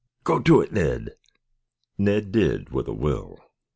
"Go to it, Ned!" Ned did, with a will.